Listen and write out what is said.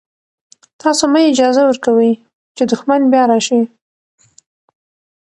تاسو مه اجازه ورکوئ چې دښمن بیا راشي.